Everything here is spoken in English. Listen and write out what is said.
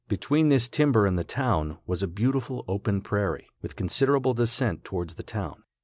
Between this timber and the town, was a beautiful open prairie, with considerable descent towards the town.